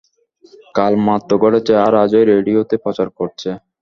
কাল মাত্র ঘটেছে, আর আজই রেডিওতে প্রচার করছে!